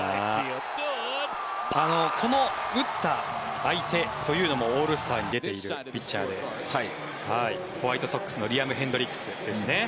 この打った相手というのもオールスターに出ているピッチャーでホワイトソックスのリアム・ヘンドリックスですね。